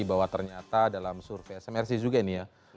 bahwa ternyata dalam survei smrc juga ini ya